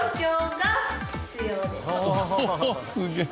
おおすげえ。